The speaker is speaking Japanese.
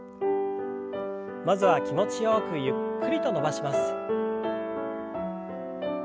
まずは気持ちよくゆっくりと伸ばします。